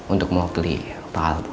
untuk mengukli pak al bu